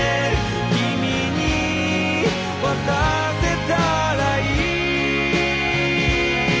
「君に渡せたらいい」